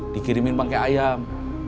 dikirimin pake ayam